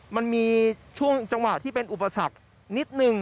มันมีช่วงจังหวะที่เป็นอุปสรรคนิดนึง